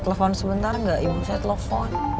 telepon sebentar enggak ibu saya telepon